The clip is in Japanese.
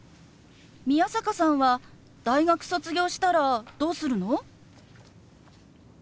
宮坂さんは大学卒業したらどうするの？